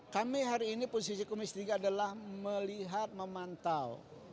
kami hari ini posisi komisi tiga adalah melihat memantau